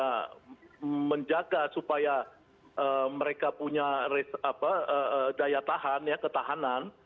dia menjaga supaya mereka punya daya tahan ketahanan